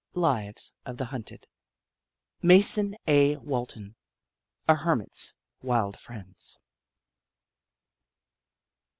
Lives of tlie Hunted. Mason A. Walton : A Hermit's Wild Friends.